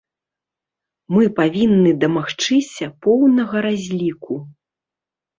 Мы павінны дамагчыся поўнага разліку.